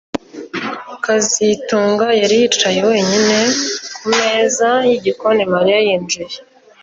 kazitunga yari yicaye wenyine kumeza yigikoni Mariya yinjiye